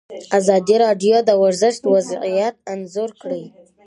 ازادي راډیو د ورزش وضعیت انځور کړی.